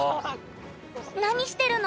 何してるの？